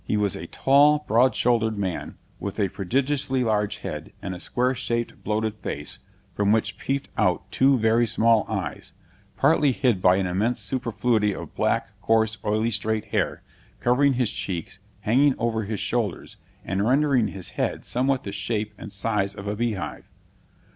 He was a tall, broad shouldered man; with a prodigiously large head, and a square shaped bloated face, from which peeped out two very small eyes, partly hid by an immense superfluity of black, coarse, oily, straight hair, covering his cheeks, hanging over his shoulders, and rendering his head somewhat the shape and size of a bee hive.